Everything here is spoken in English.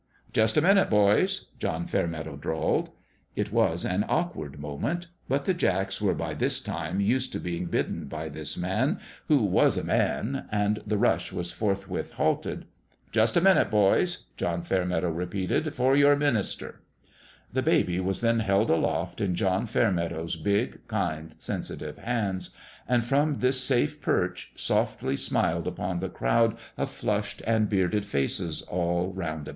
" Just a minute, boys !" John Fairmeadow drawled. It was an awkward moment: but the jacks were by this time used to being bidden by this man who was a man, and the rush was forthwith halted. " Just a minute, boys," John Fairmeadow re peated, " for your minister !" The baby was then held aloft in John Fair meadow's big, kind, sensitive hands, and from this safe perch softly smiled upon the crowd of flushed and bearded faces all roundabout.